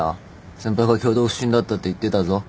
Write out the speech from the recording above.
先輩が挙動不審だったって言ってたぞ。